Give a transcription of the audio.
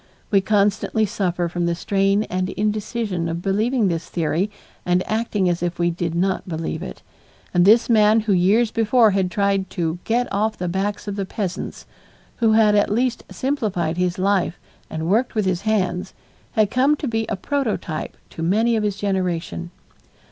We constantly suffer from the strain and indecision of believing this theory and acting as if we did not believe it, and this man who years before had tried "to get off the backs of the peasants," who had at least simplified his life and worked with his hands, had come to be a prototype to many of his generation.